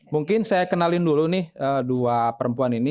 mungkin saya kenalin dulu nih dua perempuan ini